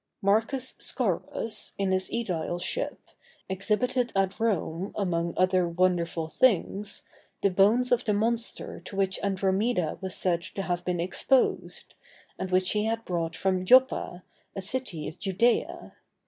Marcus Scaurus, in his ædileship, exhibited at Rome, among other wonderful things, the bones of the monster to which Andromeda was said to have been exposed, and which he had brought from Joppa, a city of Judæa.